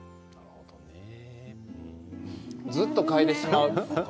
ずっと嗅いでしまう。